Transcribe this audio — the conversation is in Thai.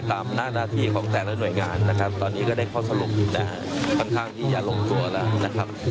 ตามหน้าหน้าที่ของแต่ละหน่วยงานตอนนี้ก็ได้ข้อสรุปอยู่แต่ค่อนข้างที่อย่าลงตัวแล้ว